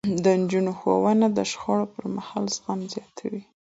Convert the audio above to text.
د نجونو ښوونه د شخړو پرمهال زغم زياتوي.